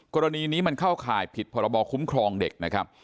กรณีนี้มันเข้าข่ายผิดพรบคุ้มครองเด็กนะครับ